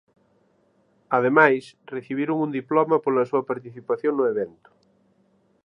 Ademais, recibiron un diploma pola súa participación no evento.